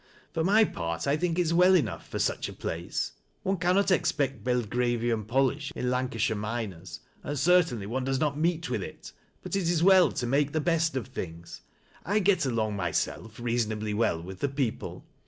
For my part 1 think it is well enough — for such a place ; one cannot expect Belgravian polish in Lancashire miners, and car tainly one does not meet with it; but it is well to mal<ti the best of things. I get along rr yself reasonably well with the people.